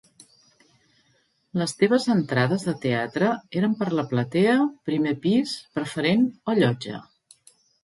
Les teves entrades de teatre eren per a la platea, primer pis preferent o llotja?